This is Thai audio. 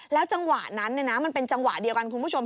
จังหวะนั้นมันเป็นจังหวะเดียวกันคุณผู้ชม